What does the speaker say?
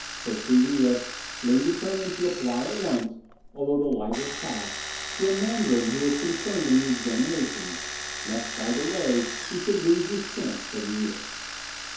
Perceiving this, Ling determined to apply at once, although the light was past, to a Mandarin who was concerned in the examinations, lest by delay he should lose his chance for the year.